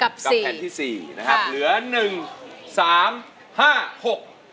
กับแผ่นที่สี่นะครับเหลือหนึ่งสามห้าหก